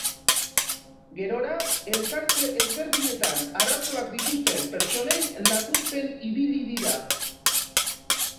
Gerora, elkarte ezberdinetan arazoak dituzten pertsonei laguntzen ibili dira.